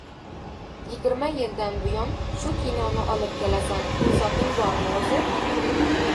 — Yigirma yildan buyon shu kinoni olib kelasan, insofing bormi, o‘zi?!